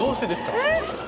えっ！